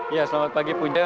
ya selamat pagi punda